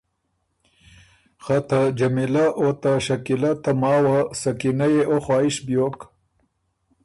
خه ته جمیلۀ او ته شکیلۀ ته ماوه سکینۀ يې او خواهش بیوک